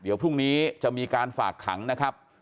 เดี๋ยวพรุ่งนี้จะมีการฝากขังนะครับ